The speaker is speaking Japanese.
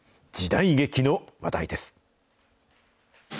時代劇の話題です。